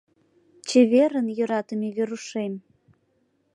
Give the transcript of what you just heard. Чеверын, йӧратыме Верушем!